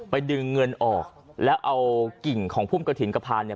ดึงเงินออกแล้วเอากิ่งของพุ่มกระถิ่นกระพานเนี่ย